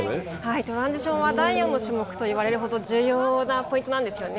トランジションは第４の種目と言われるほど重要なポイントなんですよね。